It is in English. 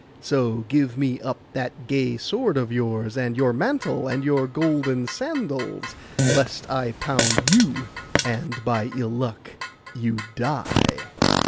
So give me up that gay sword of yours, and your mantle, and your golden sandals, lest I pound you, and by ill luck you die.